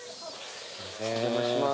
お邪魔します。